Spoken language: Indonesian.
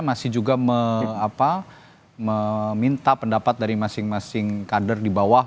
masih juga meminta pendapat dari masing masing kader di bawah